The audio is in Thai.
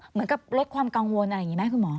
เหมือนกับลดความกังวลอะไรอย่างนี้ไหมคุณหมอ